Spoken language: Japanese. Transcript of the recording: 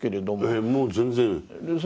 ええもう全然。